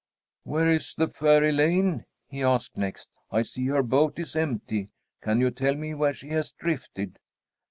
"Where is the fair Elaine?" he asked next. "I see her boat is empty. Can you tell me where she has drifted?"